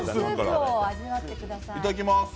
いただきます